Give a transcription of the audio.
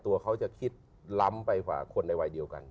ตัวเขาจะคิดล้ำไปกว่าคนในวัยเดียวกัน